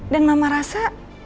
dan mama rasa